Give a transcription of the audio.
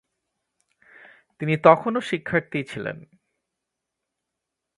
তিনি তখনও শিক্ষার্থী ছিলেন।